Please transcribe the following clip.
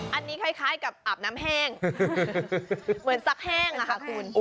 อันนี้คล้ายกับอาบน้ำแห้งเหมือนซักแห้งค่ะคุณ